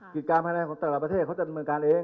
กิจกรรมแผนภัณฑ์ของแต่ละประเทศจะเป็นเรื่องมึงกันเอง